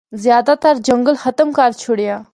زیادہ تر جنگل ختم کر چُھڑیا۔